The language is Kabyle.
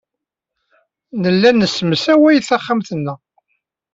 Nella nessemsaway taxxamt-nneɣ.